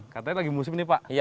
katanya lagi musim nih pak